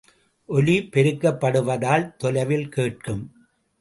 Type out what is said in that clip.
ஒலி பெருக்கப்படுவதால் தொலைவில் கேட்கும்.